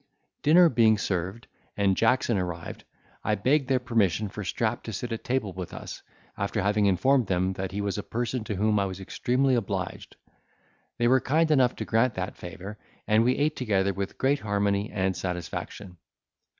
Dinner being served, and Jackson arrived, I begged their permission for Strap to sit at table with us, after having informed them that he was a person to whom I was extremely obliged; they were kind enough to grant that favour, and we ate together with great harmony and satisfaction.